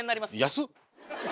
安っ。